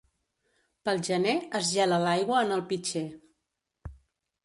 Pel gener es gela l'aigua en el pitxer.